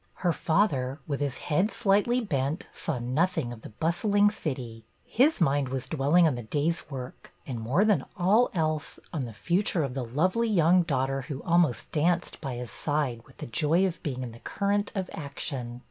Her father, with his head slightly bent, saw nothing of the bustling city. His mind was dwell ing on the day's work, and, more than all else, on the future of the lovely young daughter who almost danced by his side with the joy of being in the current of action.